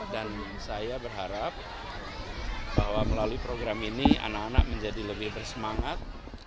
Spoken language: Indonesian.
dan saya berharap bahwa melalui program ini anak anak menjadi lebih bersemangat